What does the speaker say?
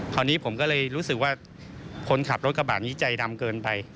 คราวนี้ผมก็เลยรู้สึกว่าคนขับรถกระบะนี้ใจดำเกินไป